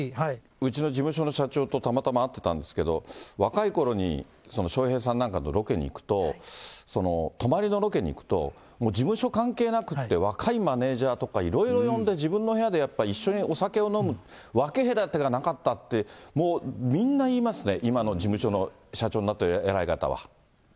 うちの事務所の社長とたまたま会ってたんですけど、若いころに笑瓶さんなんかのロケに行くと、泊まりのロケに行くと、事務所関係なくって、若いマネージャーとかいろいろ呼んで、自分の部屋でやっぱり一緒にお酒を飲む、分け隔てがなかったって、もう、みんな言いますね、今の事務所の社長になってる偉い方は。